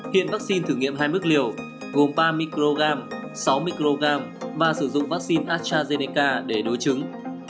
hiện vaccine thử nghiệm hai mức liều gồm ba microgram sáu microgram và sử dụng vaccine astrazeneca để đối chứng